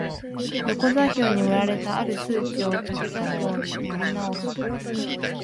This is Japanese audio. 横座標に盛られた或る数値を縦座標に盛り直す